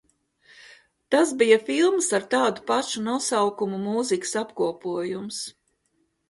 Tas bija filmas ar tādu pašu nosaukumu mūzikas apkopojums.